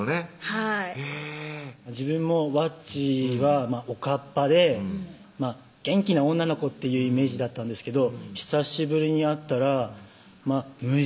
はいへぇ自分もわっちはおかっぱで元気な女の子っていうイメージだったんですけど久しぶりに会ったらむ